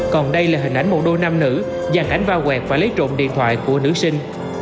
còn đây là hình ảnh một đôi nam nữ giàn cảnh va quẹt và lấy trộm điện thoại của nữ sinh